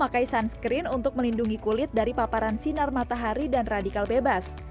penggunaan kaca matahari yang diperlukan untuk melindungi kulit dari paparan sinar matahari dan radikal bebas